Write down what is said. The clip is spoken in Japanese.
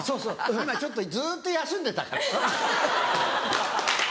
今ちょっとずっと休んでたから。